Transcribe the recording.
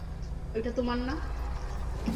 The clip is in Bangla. এটা তোমার না!